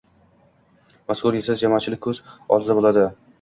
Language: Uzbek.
Mazkur yo‘l esa jamoatchilikning ko‘z oldida bo‘ladi.